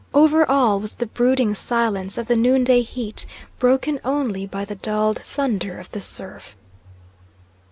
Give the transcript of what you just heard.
Over all was the brooding silence of the noonday heat, broken only by the dulled thunder of the surf.